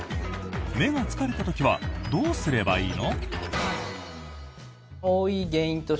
目が疲れた時はどうすればいいの？